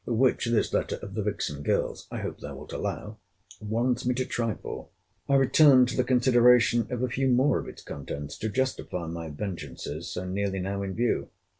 Which this letter of the vixen girl's, I hope thou wilt allow, warrants me to try for. I return to the consideration of a few more of its contents, to justify my vengeances so nearly now in view.